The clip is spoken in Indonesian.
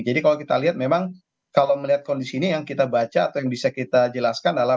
jadi kalau kita lihat memang kalau melihat kondisi ini yang kita baca atau yang bisa kita jelaskan adalah